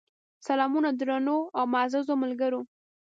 سلامونه درنو او معزز ملګرو!